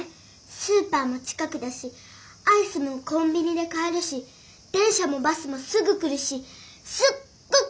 スーパーも近くだしアイスもコンビニで買えるし電車もバスもすぐ来るしすっごくべんりなんだよ。